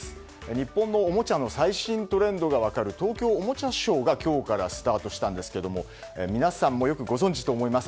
日本のおもちゃの最新トレンドが分かる東京おもちゃショーが今日からスタートしたんですけれども皆さんもよくご存じと思います